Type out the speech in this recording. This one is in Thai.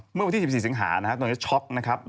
เมื่อวันที่๑๔สิงหาตรงนี้ช็อค